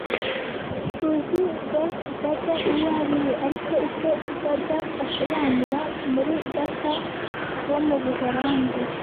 Tuzi Darth Vader uwo ari we ariko icyo Vader asobanura muri Data wo mu Buholandi